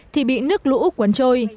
thì bị nước lũ cuốn trôi